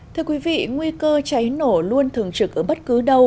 thưa quý vị nguy cơ cháy nổ luôn thường trực ở bất cứ đâu